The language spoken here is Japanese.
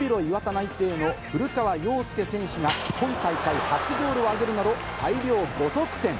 内定の古川陽介選手が、今大会初ゴールを挙げるなど、大量５得点。